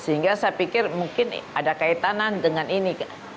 sehingga saya pikir mungkin ada kaitan dengan ini